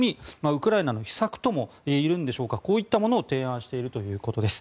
ウクライナの秘策とも言えるんでしょうかこういったものを提案しているということです。